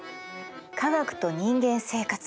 「科学と人間生活」